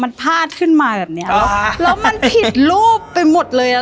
มันพาดขึ้นมาแบบเนี้ยแล้วมันผิดรูปไปหมดเลยอ่ะ